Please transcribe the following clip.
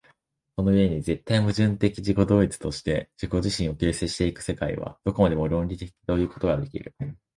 この故に絶対矛盾的自己同一として自己自身を形成し行く世界は、どこまでも論理的ということができる。